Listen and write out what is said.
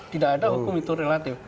tidak ada hukum itu relatif